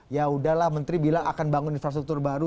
yaudah lah menteri bilang akan bangun infrastruktur baru